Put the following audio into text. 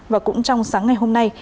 và cũng trong sáng ngày hôm nay